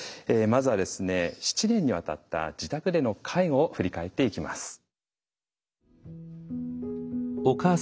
まずは７年にわたった自宅での介護を振り返っていきます。